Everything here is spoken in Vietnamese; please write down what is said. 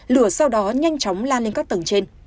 lửa sau đó nhanh chóng lan lên các tầng trên